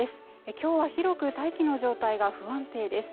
きょうは広く大気の状態が不安定です